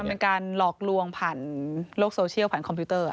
มันเป็นการหลอกลวงผ่านโลกโซเชียลผ่านคอมพิวเตอร์